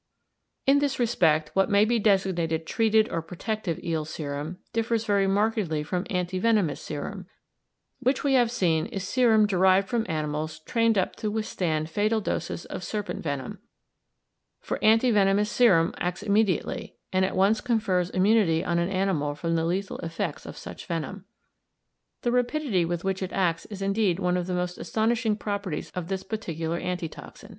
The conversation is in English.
In this respect, what may be designated treated or protective eel serum differs very markedly from anti venomous serum, which we have seen is serum derived from animals trained up to withstand fatal does of serpent venom, for anti venomous serum acts immediately, and at once confers immunity on an animal from the lethal effects of such venom. The rapidity with which it acts is indeed one of the most astonishing properties of this particular anti toxin.